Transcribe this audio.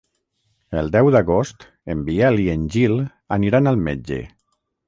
El deu d'agost en Biel i en Gil aniran al metge.